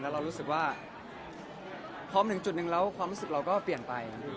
เรารู้สึกว่าพร้อมถึงจุดหนึ่งแล้วความรู้สึกเราก็เปลี่ยนไป